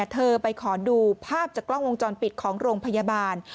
เธอไปขอดูภาพจากกล้องวงจรปิดของโรงพยาบาล